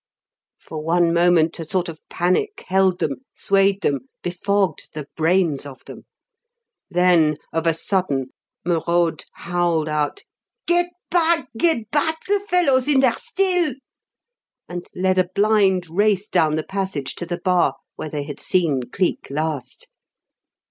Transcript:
For one moment a sort of panic held them, swayed them, befogged the brains of them; then, of a sudden, Merode howled out, "Get back! Get back! The fellow's in there still!" and led a blind race down the passage to the bar, where they had seen Cleek last.